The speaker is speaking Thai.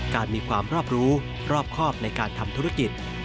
มีความรอบรู้รอบครอบในการทำธุรกิจ